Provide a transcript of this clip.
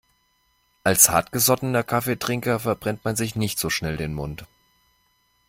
Als hartgesottener Kaffeetrinker verbrennt man sich nicht so schnell den Mund.